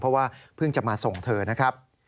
เพราะว่าเพิ่งจะมาส่งเธอนะครับ